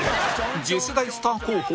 次世代スター候補？